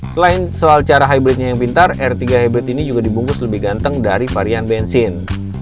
selain soal cara hybridnya yang pintar r tiga hybrid ini juga dibungkus lebih ganteng dari varian bensin